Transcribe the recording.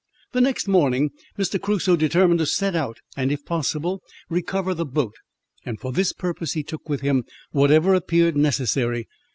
The next morning, Mr. Crusoe determined to set out, and, if possible, recover the boat, and for this purpose he took with him whatever appeared necessary.